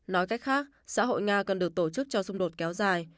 nói cách khác xã hội nga cần được tổ chức cho xung đột kéo dài